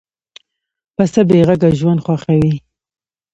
پسه بېغږه ژوند خوښوي.